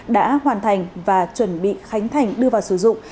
đã hoàn thành và chuẩn bị khánh thành đưa vào sử dụng